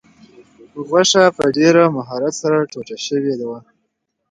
غوښه په ډېر مهارت سره ټوټه شوې وه.